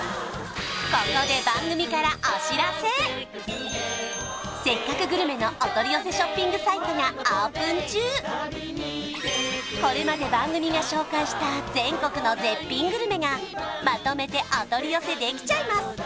ここで「せっかくグルメ！！」のお取り寄せショッピングサイトがオープン中これまで番組が紹介した全国の絶品グルメがまとめてお取り寄せできちゃいます